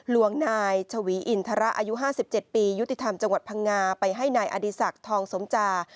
หลวงนายชวีอินทระอายุ๕๗ปียุติธรรมจังหวัดพังงาไปให้นายอดีศักดิ์ทองสมจา